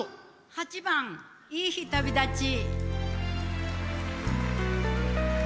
８番「いい日旅立ち」。